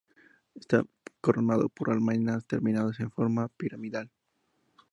Está coronado por almenas terminadas en forma piramidal.